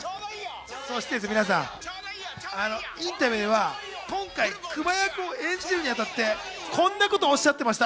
そして皆さん、インタビューでは今回、クマ役を演じるに当たって、こんなことをおっしゃっていました。